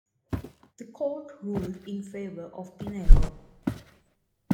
The court ruled in favor of Pinheiro.